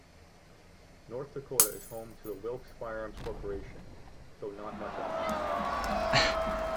North Dakota is home to the Wilk's firearms corporation, though not much else.